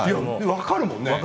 分かるもんね。